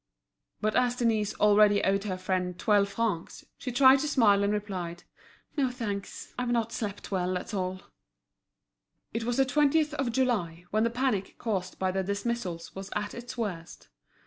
But as Denise already owed her friend twelve francs, she tried to smile and replied: "No, thanks. I've not slept well, that's all." It was the twentieth of July, when the panic caused by the dismissals was at its worst.